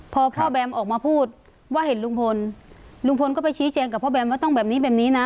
พอพ่อแบมออกมาพูดว่าเห็นลุงพลลุงพลก็ไปชี้แจงกับพ่อแมมว่าต้องแบบนี้แบบนี้นะ